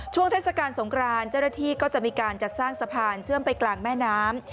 เทศกาลสงครานเจ้าหน้าที่ก็จะมีการจัดสร้างสะพานเชื่อมไปกลางแม่น้ำ